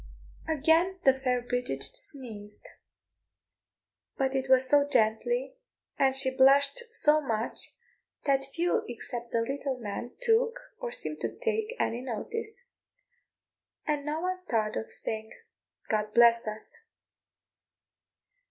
Again the fair Bridget sneezed; but it was so gently, and she blushed so much, that few except the little man took, or seemed to take, any notice; and no one thought of saying "God bless us."